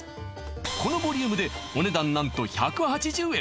このボリュームでお値段何と１８０円